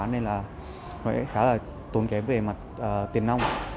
nên là khá là tốn kém về mặt tiền nông